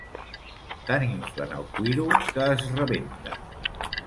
Tant inflen el cuiro, que es rebenta.